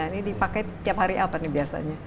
ini dipakai tiap hari apa nih biasanya